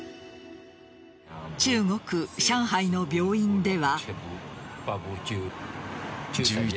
中国・上海の病院では。